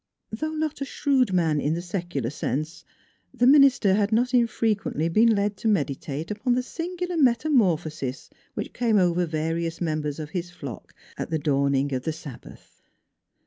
Though not a shrewd man in the secular sense, the minister had not infrequently been led to med itate upon the singular metamorphosis which came over various members of his flock at the dawning of the Sabbath.